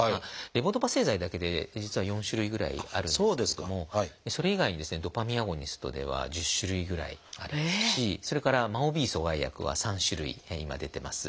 レボドパ製剤だけで実は４種類ぐらいあるんですけれどもそれ以外にドパミンアゴニストでは１０種類ぐらいありますしそれからＭＡＯ−Ｂ阻害薬は３種類今出てます。